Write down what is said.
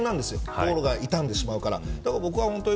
道路が傷んでしまうから。